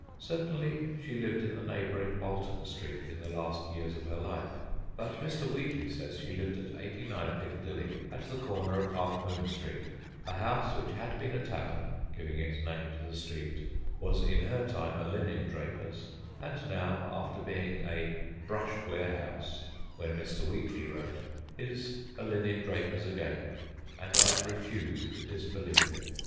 Certainly she lived ir* the neighbouring Bolton Street in the last years of her life. But Mr. Wheatley saya she lived at 89 Piccadilly at the corner of Half Moon Street a house which had been a tavern, giving its name to the street, was in her time a linendraper's, and now, after being a ' brush warehouse ' when Mr. Wheatley wrote, is a linendraper's again, and I refuse to disbelieve him.